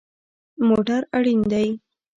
موټر اړین دی